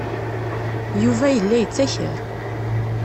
Yuba yella yettaker.